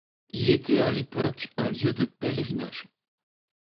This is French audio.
Il était à l'époque un lieu de pèlerinage.